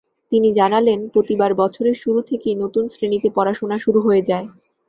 তিনি জানালেন, প্রতিবার বছরের শুরু থেকেই নতুন শ্রেণীতে পড়াশোনা শুরু হয়ে যায়।